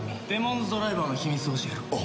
デモンズドライバーの秘密を教えろ。